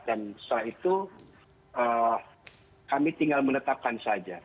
dan setelah itu kami tinggal menetapkan saja